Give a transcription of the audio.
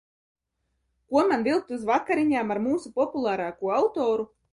Ko man vilkt uz vakariņām ar mūsu populārāko autoru?